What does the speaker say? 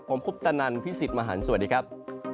ผมคุปตะนันพี่สิทธิ์มหันฯสวัสดีครับ